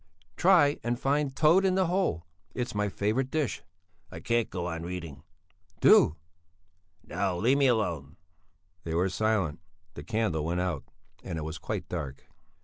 "Try and find toad in the hole. It's my favourite dish." "I can't go on reading." "Do!" "No, leave me alone!" They were silent. The candle went out and it was quite dark.